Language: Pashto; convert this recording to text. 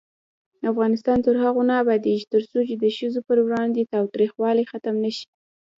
افغانستان تر هغو نه ابادیږي، ترڅو د ښځو پر وړاندې تاوتریخوالی ختم نشي.